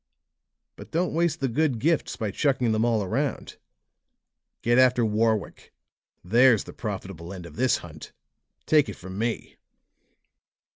But don't waste the good gifts by chucking them all around. Get after Warwick; there's the profitable end of this hunt; take it from me!"